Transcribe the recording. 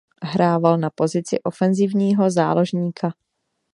Hrával na pozici ofenzivního záložníka.